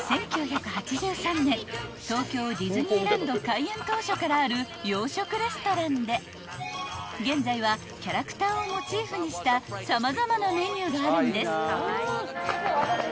開園当初からある洋食レストランで現在はキャラクターをモチーフにした様々なメニューがあるんです］